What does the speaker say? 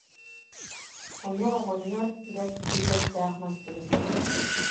Ону оҕонньор: «Бэрт киил эттээх мас түбэстэ